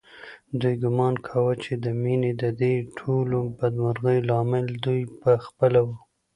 دوی ګومان کاوه چې د مينې ددې ټولو بدمرغیو لامل دوی په خپله و